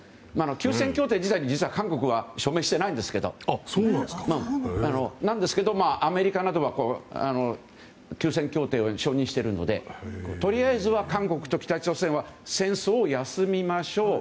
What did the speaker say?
休戦協定自体に韓国は署名していないんですけどアメリカなどは休戦協定を承認してるのでとりあえずは韓国と北朝鮮は戦争を休みましょう。